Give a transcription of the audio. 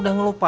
yang labu aja